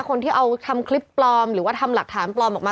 คนที่เอาทำคลิปปลอมหรือว่าทำหลักฐานปลอมออกมา